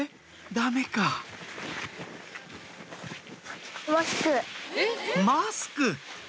ダメかマスク！